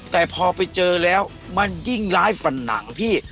แต่พอไปเจอแล้วมันยิ่งร้ายฝันหนังพี่